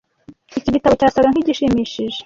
Iki gitabo cyasaga nkigishimishije.